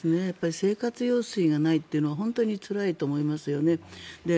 生活用水がないっていうのは本当につらいと思いますよね。